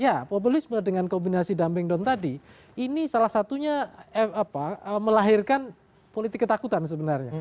ya populisme dengan kombinasi dumping down tadi ini salah satunya melahirkan politik ketakutan sebenarnya